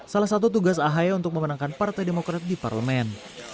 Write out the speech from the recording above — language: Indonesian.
salah satu tugas ahy untuk memenangkan partai demokrat di parlemen